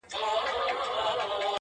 ريشا زموږ د عاشقۍ خبره ورانه سوله،